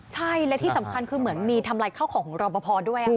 ใช่และที่สำคัญคือเหมือนมีทำลายข้าวของของรอปภด้วย